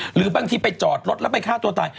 หรือบางทีไปจอดรถแล้วไปฆ่าตัวตาย